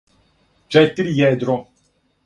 четири једро